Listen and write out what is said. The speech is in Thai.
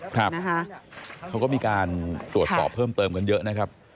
เขาก็มีการตรวจสอบเพิ่มเติมกันเยอะนะครับ